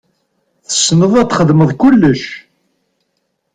Tessneḍ ad txedmeḍ kullec?